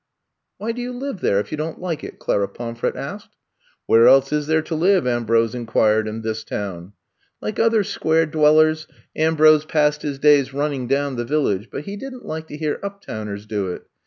''Why do you live there if you don't like itf Clara Pomfret asked. *' Where else is there to live/' Ambrose inquired, in this town?" Like other Square dwellers, Ambrose passed his days running down the Village, but he did n 't like to hear uptowners do it.